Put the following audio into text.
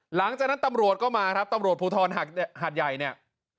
หลังจากนั้นตำรวจก็มาครับตำรวจภูทรหาดใหญ่เนี่ย